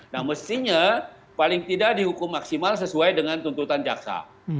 nah mestinya paling tidak dihukum maksimal sesuai dengan tuntutan jaksa